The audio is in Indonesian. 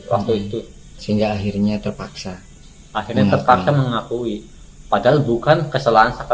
waktu itu sehingga akhirnya terpaksa akhirnya terpaksa mengakui padahal bukan kesalahan